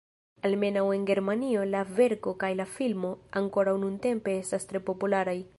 Almenaŭ en Germanio la verko kaj la filmo ankoraŭ nuntempe estas tre popularaj.